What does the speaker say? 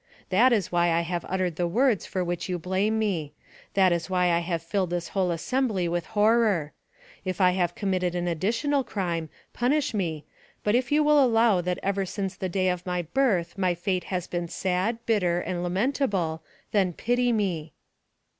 That is why I have uttered the words for which you blame me; that is why I have filled this whole assembly with horror. If I have committed an additional crime, punish me, but if you will allow that ever since the day of my birth my fate has been sad, bitter, and lamentable, then pity me."